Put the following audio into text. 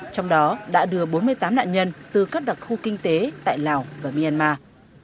trong đó đã đưa bốn mươi tám nạn nhân từ các đặc khu kinh tế tại lào và myanmar